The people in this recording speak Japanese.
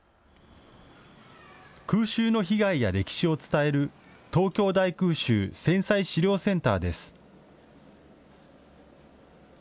空襲の被害や歴史を伝える東京大空襲・戦災資料センターです。